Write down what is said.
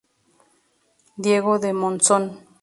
Diego de Monzón.